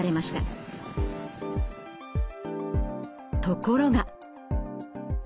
ところが。